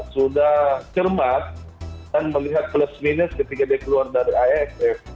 sudah cermat dan melihat plus minus ketika dia keluar dari iff